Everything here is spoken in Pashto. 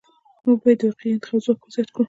موږ باید د واقعي انتخاب ځواک زیات کړو.